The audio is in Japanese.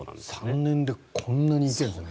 ３年でこんなになっているんですね。